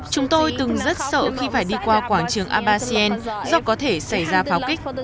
chúng tôi từng rất sợ khi phải đi qua quảng trường abbasiyen do có thể xảy ra pháo kích